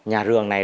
nhà rường này